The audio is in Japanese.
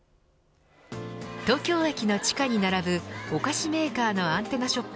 東京駅の地下に並ぶお菓子メーカーのアンテナショップ